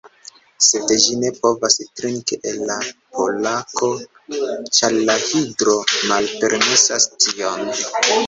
Sed ĝi ne povas trinki el la Pokalo, ĉar la Hidro malpermesas tion.